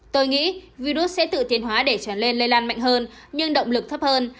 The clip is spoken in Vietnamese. tôi nghĩ virus sẽ tự tiến hóa để trở lên lây lan mạnh hơn nhưng động lực thấp hơn